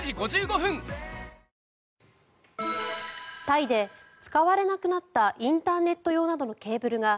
タイで使われなくなったインターネット用などのケーブルが